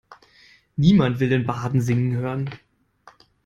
Niemand will den Barden singen hören.